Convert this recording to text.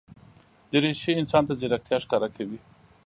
دریشي انسان ته ځیرکتیا ښکاره کوي.